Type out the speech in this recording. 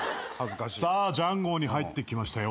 さあジャンゴーに入ってきましたよ。